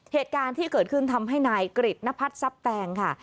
เหตุการณ์ที่เกิดขึ้นทำให้นายกริจนพัฒน์ทรัพย์แตงค่ะ